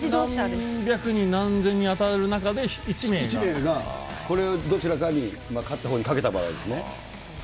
何百人、何千人と当たる中で、１名が、これ、どちらが勝ったほうにかけた場合ですね。